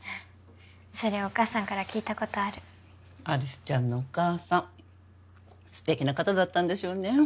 それお母さんから聞いたことある有栖ちゃんのお母さん素敵な方だったんでしょうね